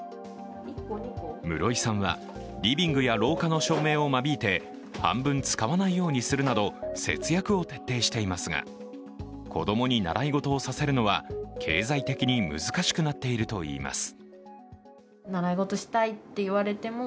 室井さんはリビングや廊下の照明を間引いて半分使わないようにするなど節約を徹底していますが子供に習い事をさせるのは経済的に難しくなっているといいます。